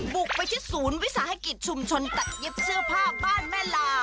บุกไปที่ศูนย์วิสาหกิจชุมชนตัดเย็บเสื้อผ้าบ้านแม่ลา